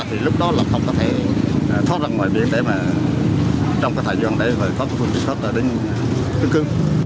thì lúc đó là không có thể thoát ra ngoài biển để mà trong cái thời gian đấy có thể thoát ra đến tương cương